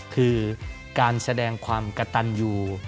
คือการแสดงความกระตันอยู่